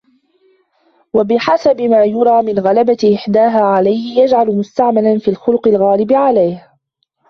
وَبِحَسَبِ مَا يُرَى مِنْ غَلَبَةِ إحْدَاهَا عَلَيْهِ يُجْعَلُ مُسْتَعْمَلًا فِي الْخُلُقِ الْغَالِبِ عَلَيْهِ